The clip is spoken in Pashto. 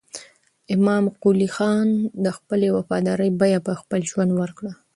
امام قلي خان د خپلې وفادارۍ بیه په خپل ژوند ورکړه.